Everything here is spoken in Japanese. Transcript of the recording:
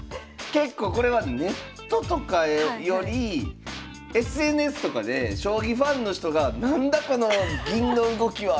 結構これはネットとかよりＳＮＳとかで将棋ファンの人が何だこの銀の動きは！